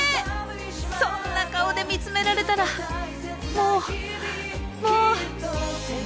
そんな顔で見つめられたらもうもう！